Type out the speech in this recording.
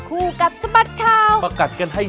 แล้วพี่เอาข้นใส